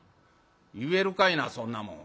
「言えるかいなそんなもん。